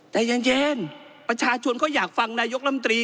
แต่เย็นประชาชนก็อยากฟังนายกรัฐมนตรี